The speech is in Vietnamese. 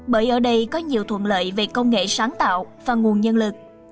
bởi ở đây có nhiều thuận lợi về công nghệ sáng tạo và nguồn nhân lực